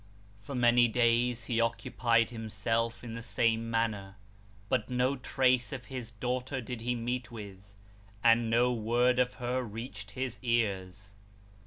For many days he occupied himself in the same manner, but no trace of his daughter did he meet with, and no word of her reached his ears.